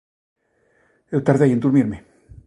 Eu tardei en durmirme.